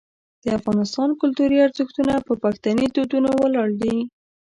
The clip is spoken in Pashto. د افغانستان کلتوري ارزښتونه په پښتني دودونو ولاړ دي.